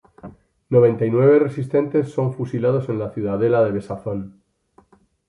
Noventa y nueve resistentes son fusilados en la ciudadela de Besanzón.